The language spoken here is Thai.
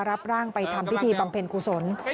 รับร่างไปทำพิธีปังเพลินกุศล